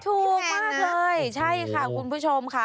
ถูกมากเลยใช่ค่ะคุณผู้ชมค่ะ